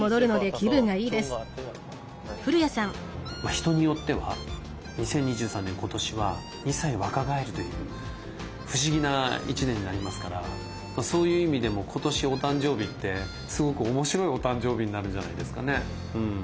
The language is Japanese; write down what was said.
人によっては２０２３年今年は２歳若返るという不思議な１年になりますからそういう意味でも今年お誕生日ってすごく面白いお誕生日になるんじゃないですかね。